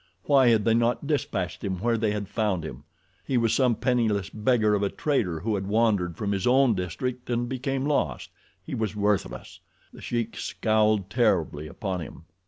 Why had they not dispatched him where they had found him? He was some penniless beggar of a trader who had wandered from his own district and became lost. He was worthless. The Sheik scowled terribly upon him.